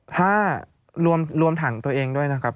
ถ้ารวมถังตัวเองด้วยนะครับ